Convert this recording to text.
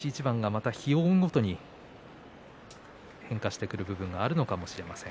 一日一番が日を追うごとに変化してくる部分があるのかもしれません。